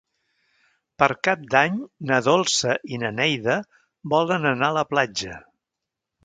Per Cap d'Any na Dolça i na Neida volen anar a la platja.